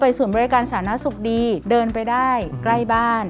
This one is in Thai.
ศูนย์บริการสาธารณสุขดีเดินไปได้ใกล้บ้าน